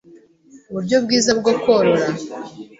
uburyo bwiza bwo korora,